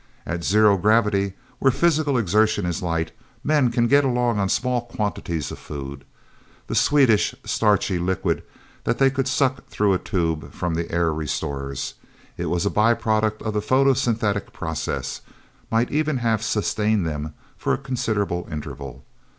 At zero gravity, where physical exertion is slight, men can get along on small quantities of food. The sweetish, starchy liquid that they could suck through a tube from the air restorers it was a by product of the photosynthetic process might even have sustained them for a considerable interval.